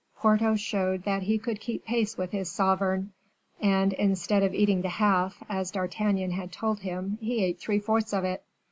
Porthos showed that he could keep pace with his sovereign; and, instead of eating the half, as D'Artagnan had told him, he ate three fourths of it.